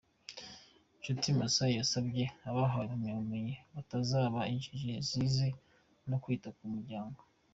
Nshuti Manasseh, yasabye abahawe impamyabumenyi kutazaba injiji zize no kwita ku muryango.